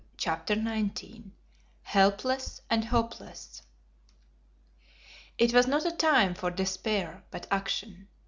CHAPTER XIX HELPLESS AND HOPELESS IT was not a time for despair, but action.